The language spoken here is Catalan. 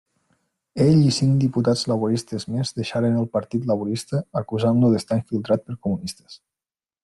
Ell i cinc diputats laboristes més deixaren el Partit Laborista acusant-lo d'estar infiltrat per comunistes.